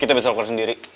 kita bisa keluar sendiri